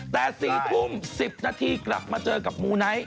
แต่๔ทุ่ม๑๐นาทีกลับมาเจอกับมูไนท์